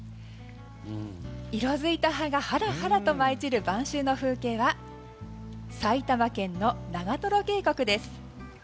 色づいた葉がはらはらと舞い散る晩秋の風景は埼玉県の長とろ渓谷です。